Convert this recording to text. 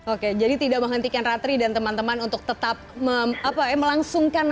oke jadi tidak menghentikan ratri dan teman teman untuk tetap melangsungkan